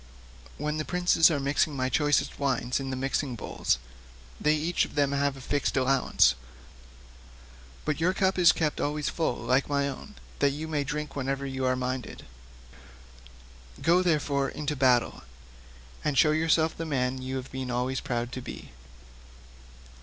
When the princes are mixing my choicest wines in the mixing bowls, they have each of them a fixed allowance, but your cup is kept always full like my own, that you may drink whenever you are minded. Go, therefore, into battle, and show yourself the man you have been always proud to be."